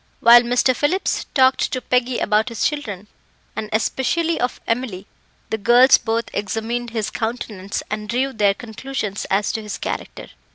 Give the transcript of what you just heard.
While Mr. Phillips talked to Peggy about his children, and especially of Emily, the girls both examined his countenance and drew their conclusions as to his character.